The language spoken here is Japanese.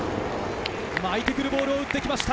巻いてくるボールを打ってきました